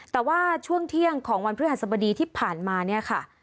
แต่ว่าช่วงเที่ยงของวันพฤหัสมดีที่ผ่านมา